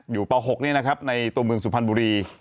ป๖นี่นะครับในตัวเมืองสุพรรณบุรี